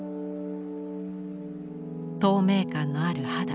透明感のある肌。